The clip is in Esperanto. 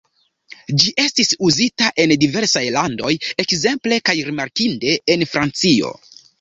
Ĝi estis uzita en diversaj landoj, ekzemple kaj rimarkinde en Francio.